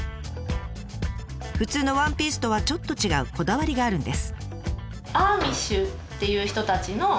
普通のワンピースとはちょっと違うこだわりがあるんです。